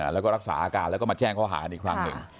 แล้วก็รักษาอาการแล้วก็มาแจ้งข้อหากันอีกครั้งหนึ่ง